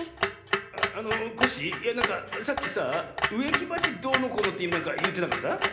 あっあのコッシーいやなんかさっきさあうえきばちどうのこうのってなんかいってなかった？